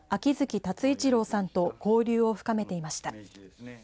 秋月辰一郎さんと交流を深めていました。